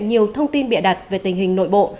nhiều thông tin bịa đặt về tình hình nội bộ